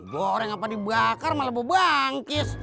goreng apa di bakar malah bubangkis